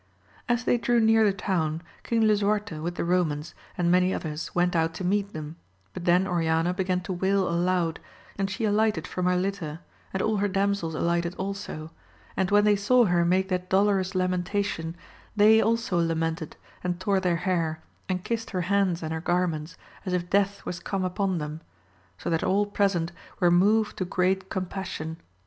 As they drew near the town. King Lisuarte with the Romans and many others went out to meet them, but then Oriana began to wail aloud, and she alighted from her litter, and all her damsels alighted also, and 48 A MA LIS OF GAUL. when they saw her make that dolorous lamentation, they also lamented, and tore their hair, and kissed her hands and her garments, as if death was come upon them, so that all present were moved to great compassion.